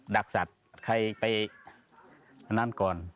ดักสัตว์ใครไปอันนั้นก่อน